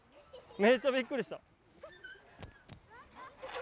めっちゃびっくりした。